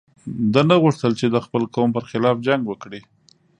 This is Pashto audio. ده نه غوښتل چې د خپل قوم پر خلاف جنګ وکړي.